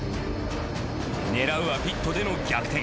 狙うはピットでの逆転。